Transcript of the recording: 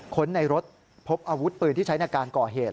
คนในรถพบอาวุธปืนที่ใช้ในการก่อเหตุ